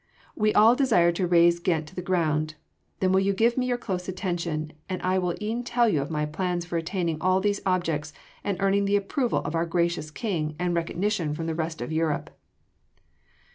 We all desire to raze Ghent to the ground! Then will you give me your close attention, and I will e’en tell you my plans for attaining all these objects and earning the approval of our gracious King and recognition from the rest of Europe."